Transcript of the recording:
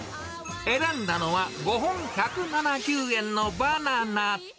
選んだのは５本１７０円のバナナ。